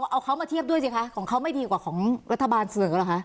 เอาเขามาเทียบด้วยสิคะของเขาไม่ดีกว่าของรัฐบาลเสมอเหรอคะ